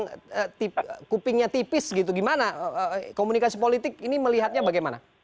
kata netizen nggak ada yang ngomongnya tipis gitu gimana komunikasi politik ini melihatnya bagaimana